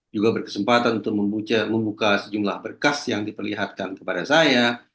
juga berkesempatan untuk membuka sejumlah berkas yang diperlihatkan kepada saya